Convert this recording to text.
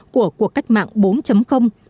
của cuộc cách mạng bốn